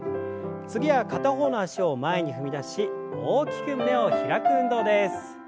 次は片方の脚を前に踏み出し大きく胸を開く運動です。